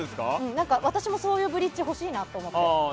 私もそういうブリッジが欲しいなと。